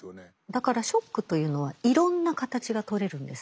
だからショックというのはいろんな形がとれるんですね。